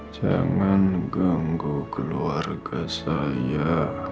jangan ganggu keluarga saya